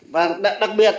và đặc biệt